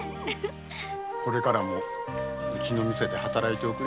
これからもうちの店で働いておくれ。